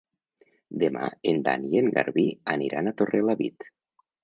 Demà en Dan i en Garbí aniran a Torrelavit.